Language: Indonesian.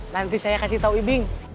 nanti saya kasih tahu ibing